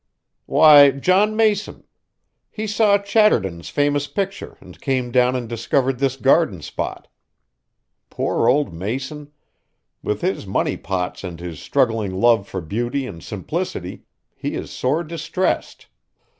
"Why, John Mason. He saw Chatterton's famous picture and came down and discovered this garden spot. Poor old Mason! With his money pots and his struggling love for beauty and simplicity, he is sore distressed.